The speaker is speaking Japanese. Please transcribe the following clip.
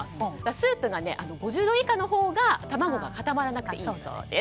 スープが５０度以下のほうが卵が固まらなくて、いいそうです。